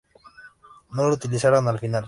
No lo utilizaron al final.